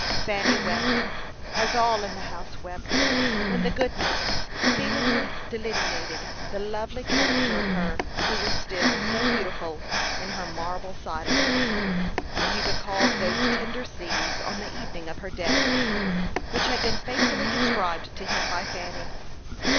Fanny wept, as all in the house wept, when the good man feelingly delineated the lovely character of her who was still so beautiful in her marble silence; when he recalled those tender scenes on the evening of her death, which had been faithfully described to him by Fanny.